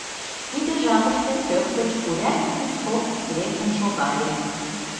Тиде жапыште пӧрт гыч урядник Узков лектын шогале.